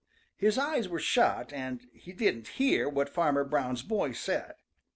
His eyes were shut, and he didn't; hear what Fanner Brown's boy said.